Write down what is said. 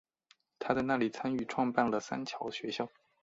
她在那里参与创办了三桥学校。